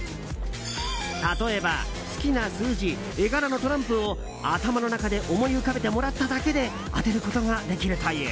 例えば好きな数字・絵柄のトランプを頭の中で思い浮かべてもらっただけで当てることができるという。